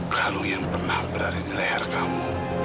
kalau yang pernah berada di leher kamu